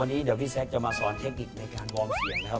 วันนี้พี่แซ็กจะมาสอนเทคนิคในการวอมเสียงนะครับ